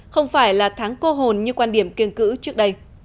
không phải là tháng cô hồn như quan điểm kiên cữ trước đây